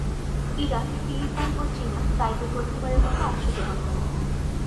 Iran, Philippines ও চীনা Taipei প্রথম বারের মত অংশগ্রহণ করে।